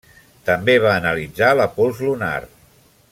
També va analitzar la pols lunar.